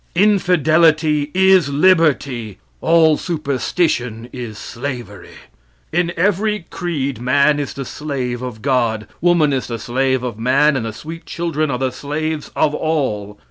Infidelity is liberty; all superstition is slavery. In every creed man is the slave of God, woman is the slave of man, and the sweet children are the slaves of all.